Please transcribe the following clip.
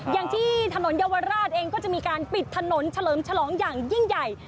อย่างที่ถนนเยาวราชเองก็จะมีการปิดถนนเฉลิมฉลองอย่างยิ่งใหญ่